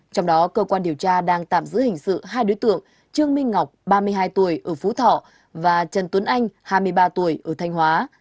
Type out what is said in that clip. trong đó cơ quan điều tra đang tạm giữ hình sự hai đối tượng trương minh ngọc ba mươi hai tuổi ở phú thọ và trần tuấn anh hai mươi ba tuổi ở thanh hóa